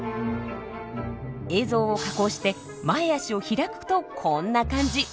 映像を加工して前足を開くとこんな感じ。